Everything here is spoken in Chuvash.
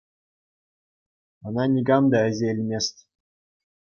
Ӑна никам та ӗҫе илмест.